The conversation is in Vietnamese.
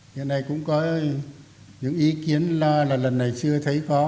hiện nay cũng có những ý kiến lo là lần này chưa thấy có